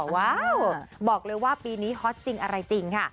ว้าวบอกเลยว่าปีนี้ฮอตจริงอะไรจริงค่ะ